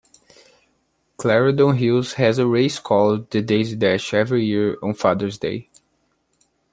Clarendon Hills has a race called the Daisy Dash every year on Father's Day.